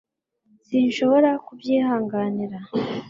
sinshobora kubyihanganira